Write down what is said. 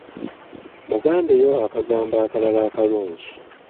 Mugambeyo akagambo akalala akalungi.